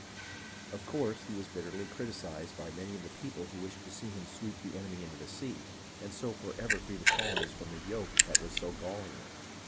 Of course he was bitterly criticised by many of the people who wished to see him sweep the enemy into the sea, and so forever free the colonies from the yoke that was so galling to them.